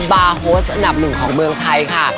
บาร์โฮสอันดับหนึ่งของเมืองไทยค่ะ